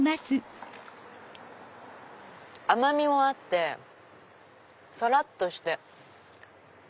甘みもあってさらっとして。